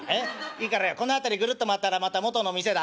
いいからよこの辺りぐるっと回ったらまた元の店だ。